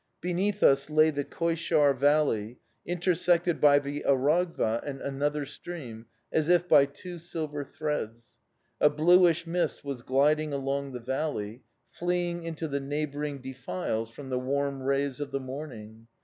Beneath us lay the Koishaur Valley, intersected by the Aragva and another stream as if by two silver threads; a bluish mist was gliding along the valley, fleeing into the neighbouring defiles from the warm rays of the morning.